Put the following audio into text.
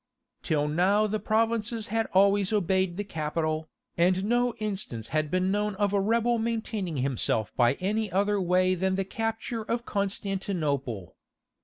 Till now the provinces had always obeyed the capital, and no instance had been known of a rebel maintaining himself by any other way than the capture of Constantinople.